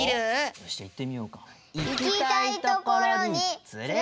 よしいってみようか。